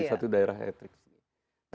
satu daerah hat trick